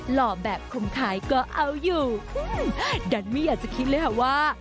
หล่อแบบคมขายก็เอาอยู่ดันไม่อยากจะคิดเลยค่ะว่า